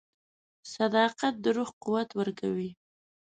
• صداقت د روح قوت ورکوي.